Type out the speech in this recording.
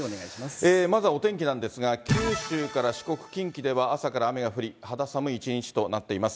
まずはお天気なんですが、九州から四国、近畿では朝から雨が降り、肌寒い一日となっています。